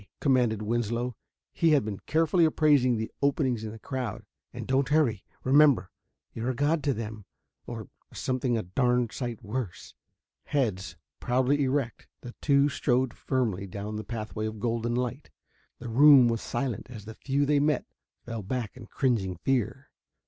commanded Winslow. He had been carefully appraising the openings in the crowd. "And don't hurry! Remember, you're a god to them or something a darn sight worse." Heads proudly erect, the two strode firmly down the pathway of golden light. The room was silent as the few they met fell back in cringing fear.